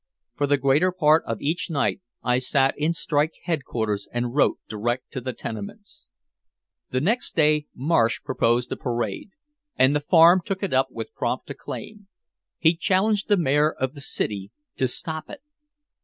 For the greater part of each night I sat in strike headquarters and wrote direct to the tenements. The next day Marsh proposed a parade, and the Farm took it up with prompt acclaim. He challenged the mayor of the city to stop it.